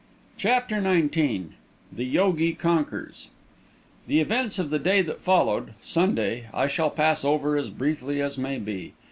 CHAPTER XIX THE YOGI CONQUERS The events of the day that followed Sunday I shall pass over as briefly as may be.